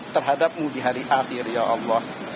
terhadapmu di hari akhir ya allah